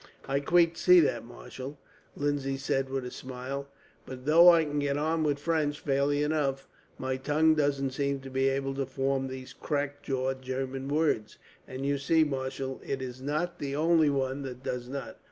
"I quite see that, marshal," Lindsay said with a smile; "but though I can get on with French fairly enough, my tongue doesn't seem to be able to form these crack jaw German words; and you see, marshal, it is not the only one that does not.